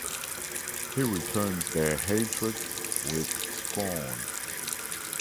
He returns their hatred with scorn.